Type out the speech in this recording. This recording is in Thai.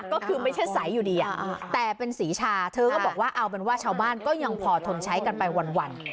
ก็คือไม่ใช่ใสอยู่ดีแต่เป็นสีชาเธอก็บอกว่าเอาเป็นว่าชาวบ้านก็ยังพอทนใช้กันไปวัน